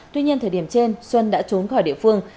tuy nhiên thời điểm trên xuân đã trốn khỏi địa phương